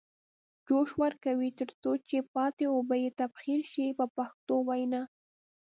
جوش ورکوي تر څو چې پاتې اوبه یې تبخیر شي په پښتو وینا.